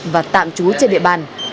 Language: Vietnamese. và tạm trú trên địa bàn